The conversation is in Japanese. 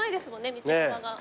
道幅が。